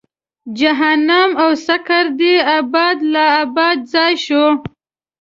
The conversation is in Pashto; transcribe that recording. جهنم او سقر دې ابد لا ابد ځای شو.